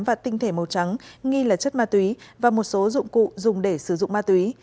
và tinh thể màu trắng nghi là chất ma túy và một số dụng cụ dùng để sử dụng ma túy